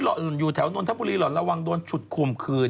เอ็นตรีอยู่แถวนนทบุรีหรอระวังโดนฉุดคุมคืน